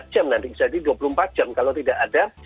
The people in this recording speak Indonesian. empat jam nanti bisa jadi dua puluh empat jam kalau tidak ada